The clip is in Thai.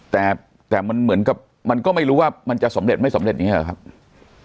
แต่แต่มันเหมือนกับมันก็ไม่รู้ว่ามันจะสำเร็จไม่สำเร็จอย่างนี้หรอครับ